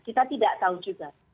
kita tidak tahu juga